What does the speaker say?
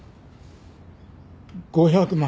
５００万。